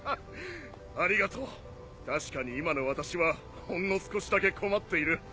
ありがとう確かに今の私はほんの少しだけ困っている。